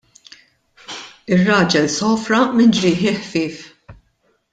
Ir-raġel sofra minn ġrieħi ħfief.